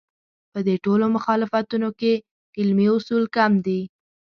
په دې ټولو مخالفتونو کې علمي اصول کم دي.